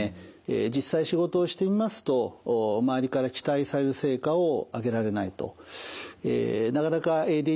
実際仕事をしてみますと周りから期待される成果を上げられないと。